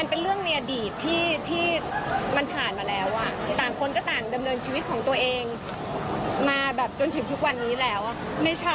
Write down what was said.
เนี่ยเรามีสิ่งสัมภาษณ์ค่ะลองฟังดูนะคะ